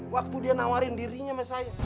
waktu dia nawarin dirinya sama saya